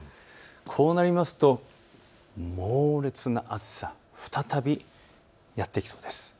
こうなりますと猛烈な暑さ、再びやって来そうです。